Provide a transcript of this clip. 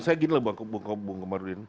saya gini lah bang